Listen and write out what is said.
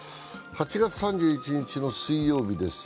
８月３１日の水曜日です。